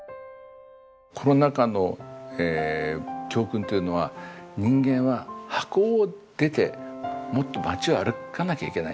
コロナ禍の教訓というのは人間はハコを出てもっと街を歩かなきゃいけない。